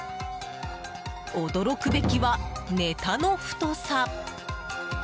驚くべきは、ネタの太さ。